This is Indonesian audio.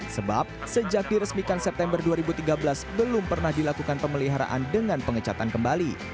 sebab sejak diresmikan september dua ribu tiga belas belum pernah dilakukan pemeliharaan dengan pengecatan kembali